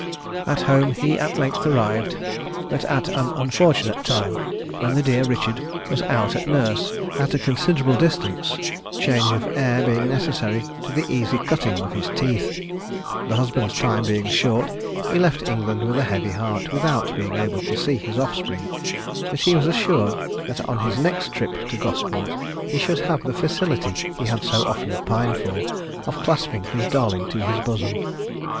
At home he at length arrived, but at an unfortunate time, when the dear Richard was out at nurse, at a considerable distance; change of air being necessary to the easy cutting of his teeth. The husband's time being short, he left England with a heavy heart, without being able to see his offspring; but he was assured that on his next trip to Gosport he should have the felicity he had so often pined for, of clasping his darling to his bosom.